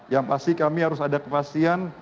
yang pasti kami harus ada kepastian